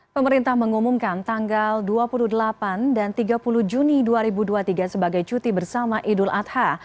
pemerintah mengumumkan tanggal dua puluh delapan dan tiga puluh juni dua ribu dua puluh tiga sebagai cuti bersama idul adha